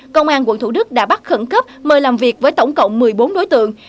công an quận thủ đức đã bắt khẩn cấp mời làm việc với tổng cộng một mươi bốn đối tượng